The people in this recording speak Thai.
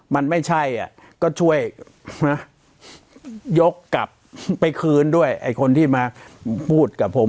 มันไม่ใช่อ่ะก็ช่วยนะยกกลับไปคืนด้วยไอ้คนที่มาพูดกับผม